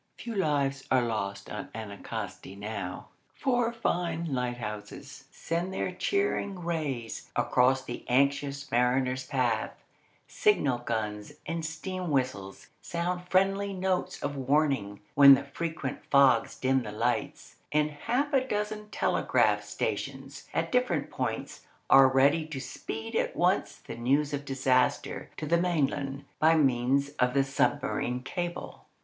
Few lives are lost on Anticosti now. Four fine lighthouses send their cheering rays across the anxious mariner's path, signal guns and steam whistles sound friendly notes of warning when the frequent fogs dim the lights, and half a dozen telegraph stations at different points are ready to speed at once the news of disaster to the mainland by means of the submarine cable.